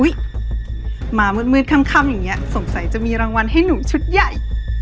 อุ๊ยมามืดมืดค่ำค่ำอย่างเงี้ยสงสัยจะมีรางวัลให้หนุ่มชุดใหญ่